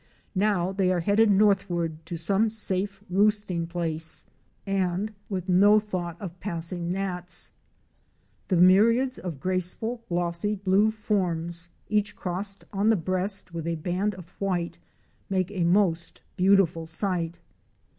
Now they are headed northward to some safe roosting place and 176 OUR SEARCH FOR A WILDERNESS. with no thought of passing gnats. The myriads of graceful, glossy blue forms, each crossed on the breast with a band of white, made a most beautiful sight.